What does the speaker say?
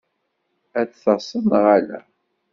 Ad d-taseḍ neɣ ala?